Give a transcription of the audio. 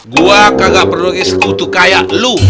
gua kagak perlu lagi sekutu kayak lo